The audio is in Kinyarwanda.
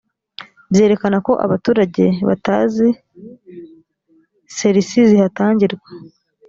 byerekana ko abaturage batazi ser isi zihatangirwa